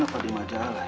atau di majalah ya